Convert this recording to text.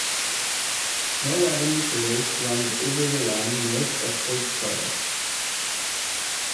No revenue service runs over the line north of Court Square.